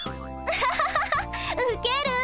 ハハハハハウケる。